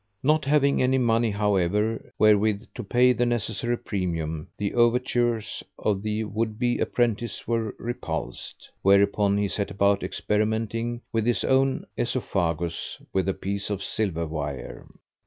Not having any money, however, wherewith to pay the necessary premium, the overtures of the would be apprentice were repulsed; whereupon he set about experimenting with his own aesophagus with a piece of silver wire.